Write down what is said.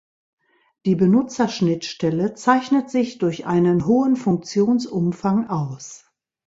Die Benutzerschnittstelle zeichnet sich durch einen hohen Funktionsumfang aus.